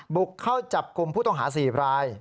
บุกเข้าจับกลุ่มผู้ต้องหา๔ราย